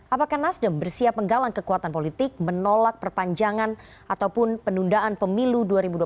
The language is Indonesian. apakah nasdem bersiap menggalang kekuatan politik menolak perpanjangan ataupun penundaan pemilu dua ribu dua puluh